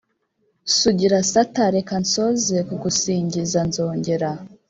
Sugira sata reka nsoze kugusingiza nzongera